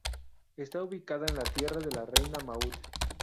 Está ubicada en la Tierra de la Reina Maud.